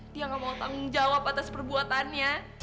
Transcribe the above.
dia gak mau tanggung jawab atas perbuatannya